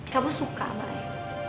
kamu suka sama ayah